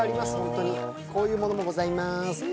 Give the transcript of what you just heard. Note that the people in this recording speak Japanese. こういうものもございます。